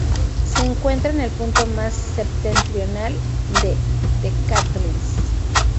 Se encuentra en el punto más septentrional de The Catlins.